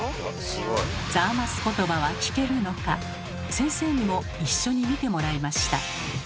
先生にも一緒に見てもらいました。